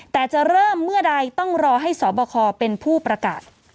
แต่จะเริ่มเมื่อใดต้องรอให้สบคเป็นผู้ประกาศ